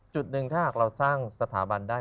จุดหนึ่งถ้าหากเราสร้างสถาบันได้